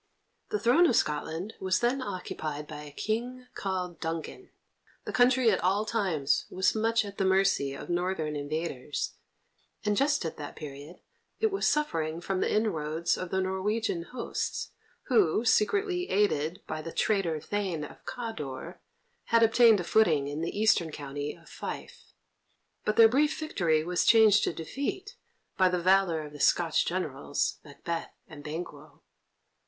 The throne of Scotland was then occupied by a King called Duncan. The country at all times was much at the mercy of Northern invaders, and just at that period it was suffering from the inroads of the Norwegian hosts, who, secretly aided by the traitor Thane of Cawdor, had obtained a footing in the eastern county of Fife. But their brief victory was changed to defeat by the valour of the Scotch Generals, Macbeth and Banquo.